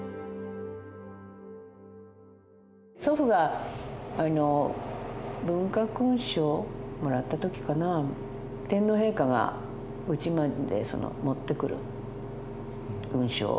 祖父が文化勲章もらった時かな天皇陛下がうちまで持ってくる勲章を。